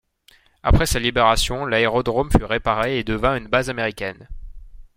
Après sa libération, l'aérodrome fut réparé et devint une base américaine.